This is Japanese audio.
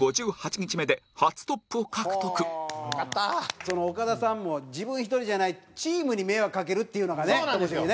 見事その岡田さんも自分一人じゃないチームに迷惑かけるっていうのがねともしげね。